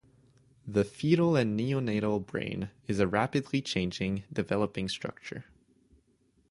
The fetal and neonatal brain is a rapidly changing, developing structure.